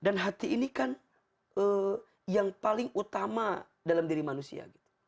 dan hati ini kan yang paling utama dalam diri manusia